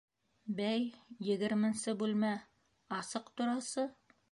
Бәй... егерменсе бүлмә... асыҡ торасы?!